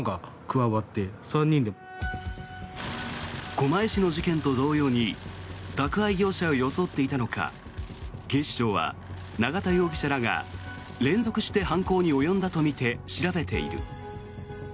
狛江市の事件と同様に宅配業者を装っていたのか警視庁は、永田容疑者らが連続して犯行に及んだとみて調べている。